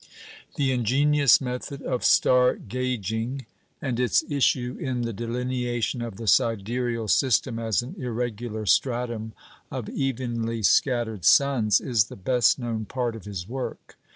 The ingenious method of "star gauging," and its issue in the delineation of the sidereal system as an irregular stratum of evenly scattered suns, is the best known part of his work.